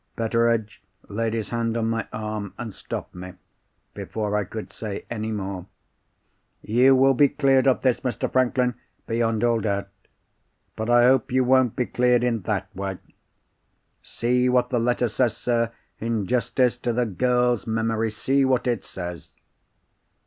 Betteredge laid his hand on my arm, and stopped me before I could say any more. "You will be cleared of this, Mr. Franklin, beyond all doubt. But I hope you won't be cleared in that way. See what the letter says, sir. In justice to the girl's memory, see what it says."